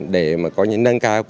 để mà có những nâng cao